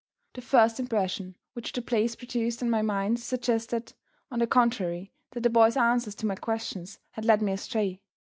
The first impression which the place produced on my mind suggested, on the contrary, that the boy's answers to my questions had led me astray.